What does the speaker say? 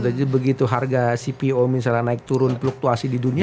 jadi begitu harga cpo misalnya naik turun pluktuasi di dunia